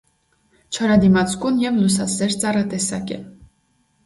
Չորադիմացկուն և լուսասեր ծառատեսակ է։